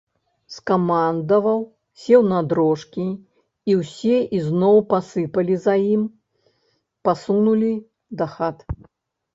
Скамандаваў, сеў на дрожкі, і ўсе ізноў пасыпалі за ім, пасунулі да хат.